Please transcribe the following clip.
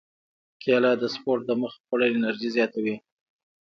کېله د سپورت دمخه خوړل انرژي زیاتوي.